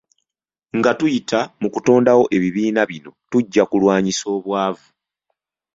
Nga tuyita mu kutondawo ebibiina bino tujja kulwanyisa obwavu.